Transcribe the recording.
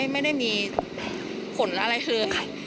ไม่ได้มีผลอะไรเลยค่ะ